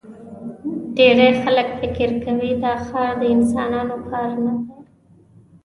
ډېری خلک فکر کوي دا ښار د انسانانو کار نه دی.